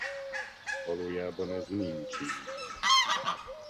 Valójában ez nincs így.